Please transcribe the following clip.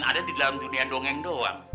ada di dalam dunia dongeng doang